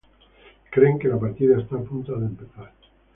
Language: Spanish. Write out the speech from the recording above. Creen que la partida está a punto de empezar.